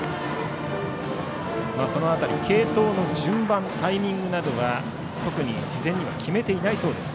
その辺り、継投の順番タイミングなどは特に事前には決めていないそうです。